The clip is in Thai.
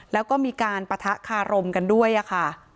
แล้วก็มีการปะทะคารมกันด้วยค่ะ